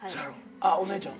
あっお姉ちゃん。